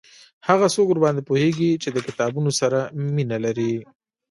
هغه څوک ورباندي پوهیږي چې د کتابونو سره مینه لري